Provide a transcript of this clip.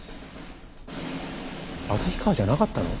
旭川じゃなかったの？